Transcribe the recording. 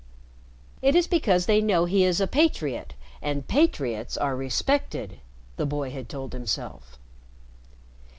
"It is because they know he is a patriot, and patriots are respected," the boy had told himself.